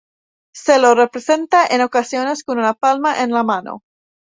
Se lo representa en ocasiones con una palma en la mano.